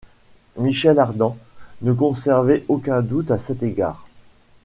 Michel Ardan ne conservait aucun doute à cet égard.